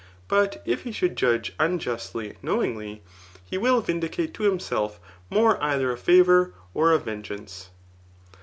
] But if he should judge un justly knowingly, he will vindicate to himself more either of favour, or of vengeance.